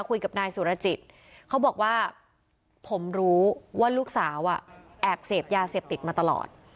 คุยกับนายสุรจิตเขาบอกว่าผมรู้ว่าลูกสาวแอบเสพยาเสพติดมาตลอด